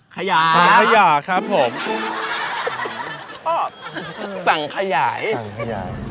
ขยายขยอกครับผมชอบสั่งขยายสั่งขยาย